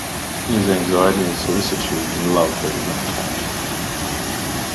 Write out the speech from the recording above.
In his anxiety and solicitude and love they did not count.